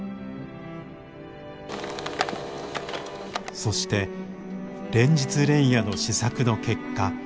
そして連日連夜の試作の結果。